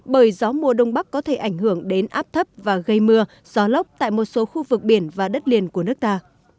bởi gió mùa đông bắc có thể ảnh hưởng đến áp thấp và gây mưa gió lốc tại một số khu vực biển và đất liền của nước ta